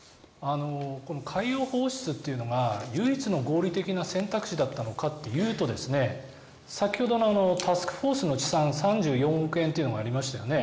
海洋放出というのが唯一の合理的な選択肢だったのかというと先ほどのタスクフォースの試算３４億というのがありましたね。